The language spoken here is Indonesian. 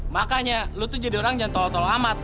makanya lo tuh jadi orang yang tolol tolo amat